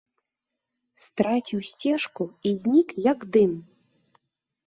Страціў сцежку і знік, як дым.